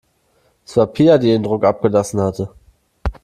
Es war Pia, die den Druck abgelassen hatte.